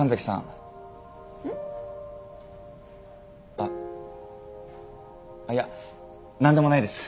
あっいやなんでもないです。